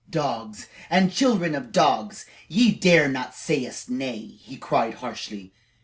"Dogs and children of dogs, ye dare not say us nay!" he cried harshly.